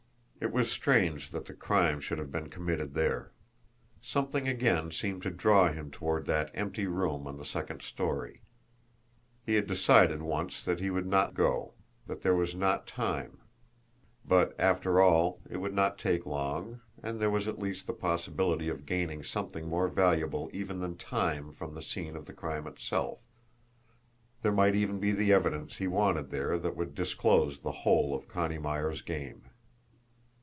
It was strange that the crime should have been committed there! Something again seemed to draw him toward that empty room on the second story. He had decided once that he would not go, that there was not time; but, after all, it would not take long, and there was at least the possibility of gaining something more valuable even than time from the scene of the crime itself there might even be the evidence he wanted there that would disclose the whole of Connie Myers' game.